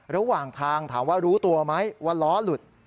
ระหว่างทางถามว่ารู้ตัวไหมว่าล้อหลุด